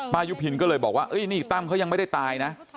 ยุพินก็เลยบอกว่านี่ตั้มเขายังไม่ได้ตายนะ